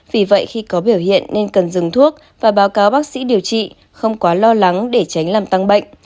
vì vậy khi có biểu hiện nên cần dừng thuốc và báo cáo bác sĩ điều trị không quá lo lắng để tránh làm tăng bệnh